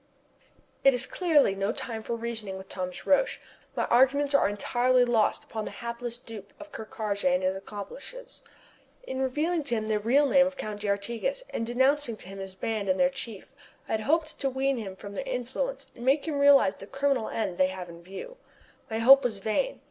It is clearly no time for reasoning with Thomas Roch. My arguments are entirely lost upon the hapless dupe of Ker Karraje and his accomplices. In revealing to him the real name of the Count d'Artigas, and denouncing to him this band and their chief I had hoped to wean him from their influence and make him realize the criminal end they have in view. My hope was vain.